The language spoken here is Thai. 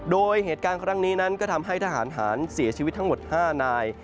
โดยเหตุการณ์ก็ทำให้ทหารหารเสียชีวิตทั้งหมด๕นาย